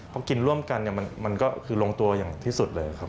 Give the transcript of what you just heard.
พอกินร่วมกันมันก็คือลงตัวอย่างที่สุดเลยครับ